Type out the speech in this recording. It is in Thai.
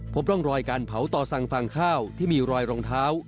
พบร่องรอยการเผาต่อสั่งฝั่งข้าวที่มีรอยรองเท้า